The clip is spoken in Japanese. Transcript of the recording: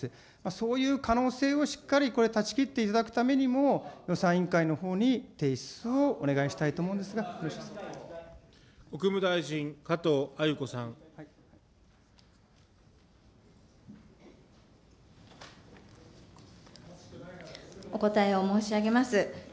そういう可能性をしっかりこれ、断ち切っていただくためにも、予算委員会のほうに提出をお願いしたいと思うんですが、よろしいで国務大臣、加藤鮎子さん。お答えを申し上げます。